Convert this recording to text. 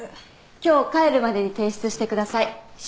今日帰るまでに提出してください。